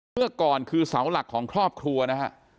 เมื่อก่อนคือเสาหลักของครอบครัวนะฮะ